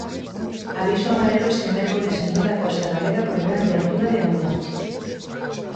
Aviso amarelo este mércores en toda a costa galega por grande altura de onda.